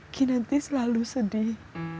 kinanti selalu sedih